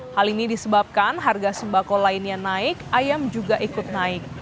hal ini disebabkan harga sembako lainnya naik ayam juga ikut naik